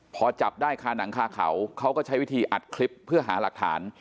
พอจับได้คาหนังคาเขาเขาก็ใช้วิธีอัดคลิปเพื่อหาหลักฐาน